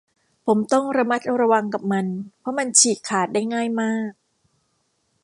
ผมต้องระมัดระวังกับมัน เพราะมันฉีกขาดได้ง่ายมาก